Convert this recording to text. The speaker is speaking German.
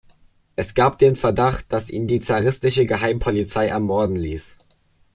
Es gab den Verdacht, dass ihn die zaristische Geheimpolizei ermorden ließ.